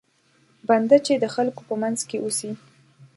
بنده چې د خلکو په منځ کې اوسي.